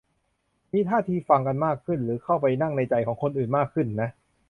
มีท่าทีฟังกันมากขึ้น หรือเข้าไปนั่งในใจของคนอื่นมากขึ้นนะ